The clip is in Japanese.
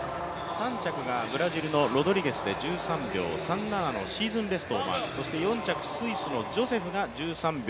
３着がブラジルのロドリゲスで１３秒３７のシーズンベストをマークそして４着、スイスのジョセフが１３秒